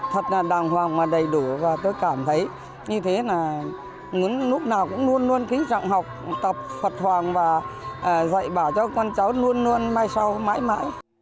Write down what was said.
thật là đàng hoàng và đầy đủ và tôi cảm thấy như thế là lúc nào cũng luôn luôn kính trọng học tập phật hoàng và dạy bảo cho con cháu luôn luôn mai sau mãi mãi